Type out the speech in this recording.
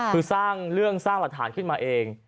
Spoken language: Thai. คือสร้างเรื่องสร้างหลักฐานขึ้นมาเอง